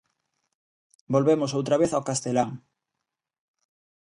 Volvemos outra vez ao castelán.